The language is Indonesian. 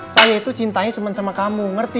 saya itu cintanya cuma sama kamu ngerti